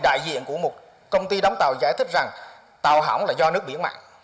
các vị đại diện của một công ty đóng tàu giải thích rằng tàu hỏng là do nước biển mạng